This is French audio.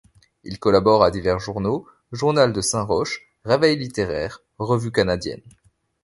Il collabore à divers journaux ː Journal de Saint-Roch, Réveil Littéraire, Revue canadienne.